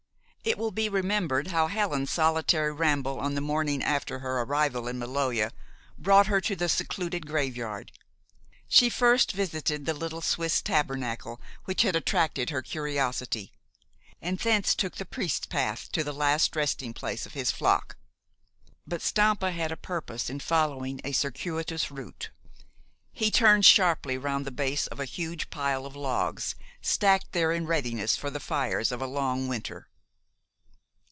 It will be remembered how Helen's solitary ramble on the morning after her arrival in Maloja brought her to the secluded graveyard. She first visited the little Swiss tabernacle which had attracted her curiosity, and thence took the priest's path to the last resting place of his flock. But Stampa had a purpose in following a circuitous route. He turned sharply round the base of a huge pile of logs, stacked there in readiness for the fires of a long winter.